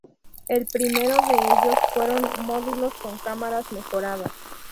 El primero de ellos fueron módulos con cámaras mejoradas.